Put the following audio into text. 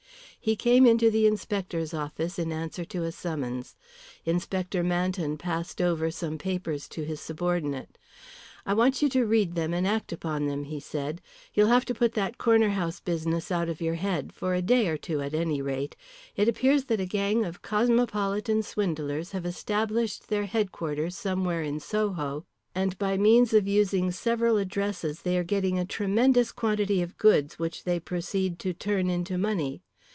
He came into the inspector's office in answer to a summons. Inspector Manton passed over some papers to his subordinate. "I want you to read them and act upon them," he said. "You'll have to put that Corner House business out of your head for a day or two at any rate. It appears that a gang of cosmopolitan swindlers have established their headquarters somewhere in Soho, and by means of using several addresses they are getting a tremendous quantity of goods which they proceed to turn into money.